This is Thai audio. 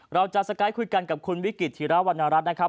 เราจะสไกด์คุยกันกับคุณวิกฤตธิระวรรณรัฐนะครับ